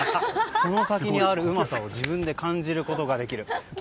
その先にあるうまさを自分で感じることができる。